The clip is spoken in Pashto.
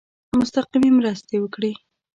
مستقیمي مرستي وکړي.